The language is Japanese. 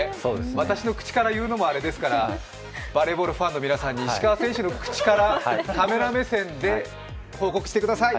私の口から言うのもあれですから、バレーボールファンの皆さんに石川選手の口からカメラ目線で報告してください。